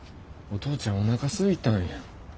お父ちゃんおなかすいたんや。